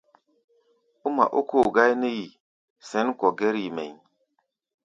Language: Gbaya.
Ó ŋma ókóo gáí nɛ́ yi sɛ̌n kɔ̧ gɛ́r-yi mɛʼí̧.